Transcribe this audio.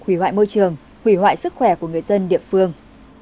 hủy hoại môi trường hủy hoại sức khỏe của người dân địa phương